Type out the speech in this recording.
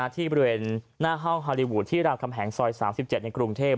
ที่บริเวณหน้าห้องฮาลีวูดที่รามคำแหงซอย๓๗ในกรุงเทพ